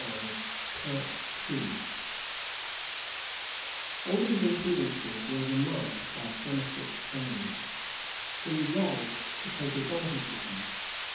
[*] All these imprudences were remarked by Somerset's enemies, who resolved to take advantage of them.